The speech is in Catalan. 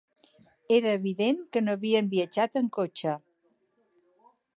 Era evident que no havien viatjat amb cotxe.